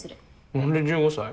何で１５歳？